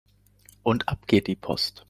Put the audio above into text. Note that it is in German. Und ab geht die Post!